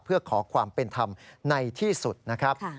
เพื่อขอความเป็นธรรมในที่สุดนะครับ